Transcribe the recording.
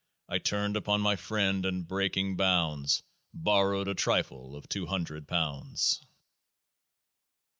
I turned upon my friend, and, breaking bounds, Borrowed a trifle of two hundred pounds.